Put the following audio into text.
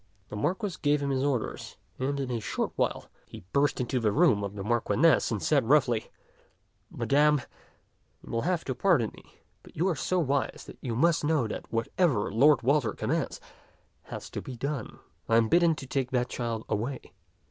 The Marquis gave him his orders, and in a t^t Ckxli'0 t(xk 149 short while he burst into the room of the Marchioness and said roughly, " Madame, you will have to pardon me, but you are so wise that you must know that whatever Lord Walter commands has to be done. I am bidden to take that child away."